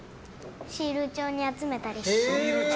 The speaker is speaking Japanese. シール帳に集めたりしてる。